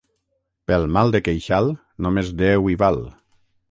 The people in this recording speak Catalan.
Pel mal de queixal, només Déu hi val.